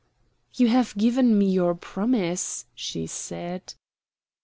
"You have given me your promise," she said.